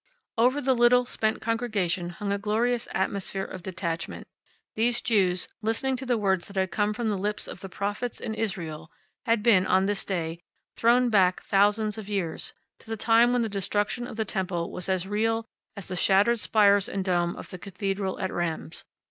Over the little, spent congregation hung a glorious atmosphere of detachment. These Jews, listening to the words that had come from the lips of the prophets in Israel, had been, on this day, thrown back thousands of years, to the time when the destruction of the temple was as real as the shattered spires and dome of the cathedral at Rheims.